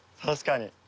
確かに。